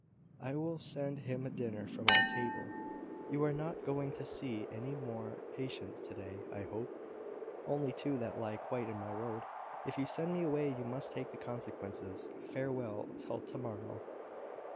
"I will send him a dinner from our table. You are not going to see any more patients to day, I hope?" "Only two that lie quite in my road. If you send me away, you must take the consequences. Farewell, till tomorrow."